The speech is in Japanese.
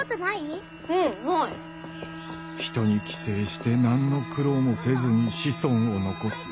人に寄生して何の苦労もせずに「子孫を残す」。